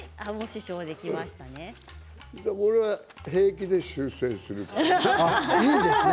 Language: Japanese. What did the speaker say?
俺は平気で修正するからね。